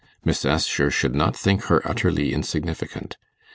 Miss Assher should not think her utterly insignificant.